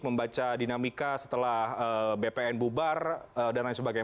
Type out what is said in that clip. membaca dinamika setelah bpn bubar dan lain sebagainya